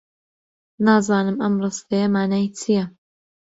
نازانم ئەم ڕستەیە مانای چییە.